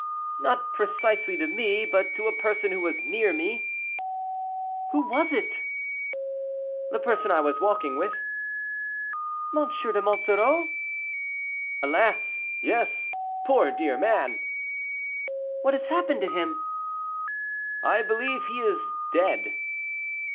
"Not precisely to me, but to a person who was near me." "Who was it?" "The person I was walking with." "M. de Monsoreau?" "Alas! yes; poor dear man." "What has happened to him?" "I believe he is dead."